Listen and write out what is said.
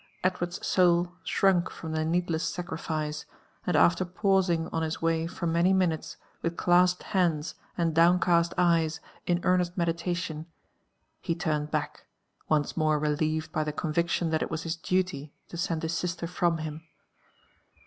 Ed ward's soul shrunk from the needless sacrifice, and after pausing on his way for many minules with clasped hands and downcast eyes in earnest medilalion, he turned back, once more relieved by tliQ conviction that it was his duty to send his sister from him.